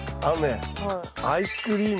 ええっアイスクリーム？